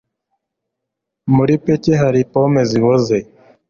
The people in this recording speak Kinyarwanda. muri peke hari pome ziboze